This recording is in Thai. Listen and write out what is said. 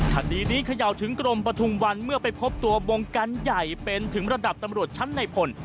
คดีนี้เขย่าถึงกรมประทุมวันเมื่อไปพบตัววงการใหญ่เป็นถึงระดับตำรวจชั้นในพล